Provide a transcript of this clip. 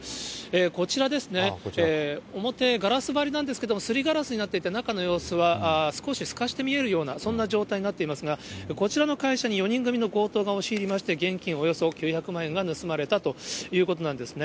こちらですね、表、ガラス張りなんですけれども、すりガラスになっていて、中の様子は少しすかして見えるような、そんな状態になっていますが、こちらの会社に４人組の強盗が押し入りまして、現金およそ９００万円が盗まれたということなんですね。